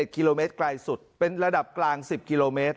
กิโลเมตรไกลสุดเป็นระดับกลาง๑๐กิโลเมตร